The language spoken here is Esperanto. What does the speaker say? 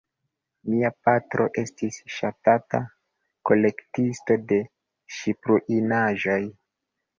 Mia patro estis ŝtata kolektisto de ŝipruinaĵoj.